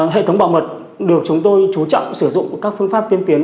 hệ thống bảo mật được chúng tôi chú trọng sử dụng các phương pháp tiên tiến